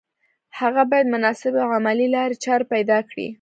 هغه بايد مناسبې او عملي لارې چارې پيدا کړي.